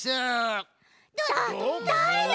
だだれ？